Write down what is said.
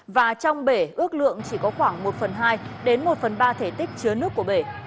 và trong bể ước lượng chỉ có khoảng một phần hai đến một phần ba thể tích chứa nước của bể